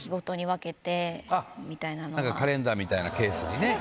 カレンダーみたいなケースにね。